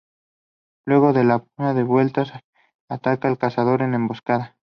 Luego, el puma da vueltas y ataca al cazador en emboscada.